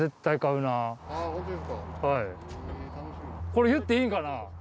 これ、言っていいのかな。